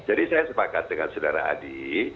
jadi saya sepakat dengan saudara adi